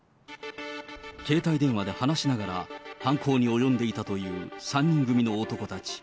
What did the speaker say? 携帯電話で話しながら犯行に及んでいたという３人組の男たち。